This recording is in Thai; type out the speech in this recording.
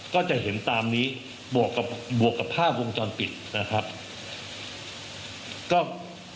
ก็จะเห็นตามนี้บวกกับภาพวงจรปิดนะครับ